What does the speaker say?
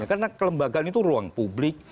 karena kelembagaan itu ruang publik